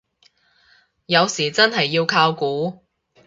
有時真係要靠估